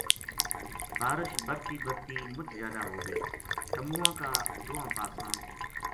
بارش برتی برہتی مُچ زیادہ ہو گئی تمواں کا دواں پاساں